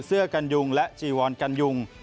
เสื้อกันยุงและจีวอนกันยุง